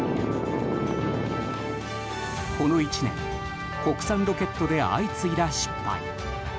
この１年国産ロケットで相次いだ失敗。